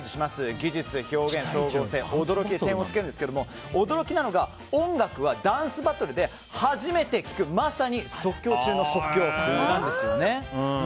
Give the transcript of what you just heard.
技術、表現、総合性、驚きで点をつけるんですが驚きなのが、音楽はダンスバトルで初めて聴く、まさに即興中の即興なんですよね。